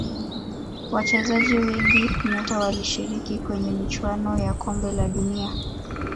wachezaji wengi nyota walishiriki kwenye michuano ya kombe la dunia